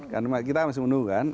karena kita masih menunggu kan